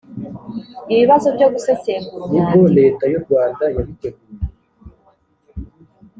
ibibazo byo gusesengura umwandiko